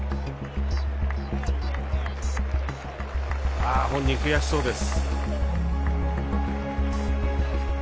あ本人悔しそうです。